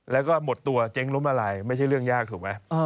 แล้วก็หมดตัวเจ๊งล้มละลายไม่ใช่เรื่องยากถูกไหม